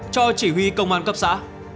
cho chỉ huy công an cấp xã